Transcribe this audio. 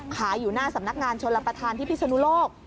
อยู่หน้าสำนักงานชนรับประทานที่พิศนุโลก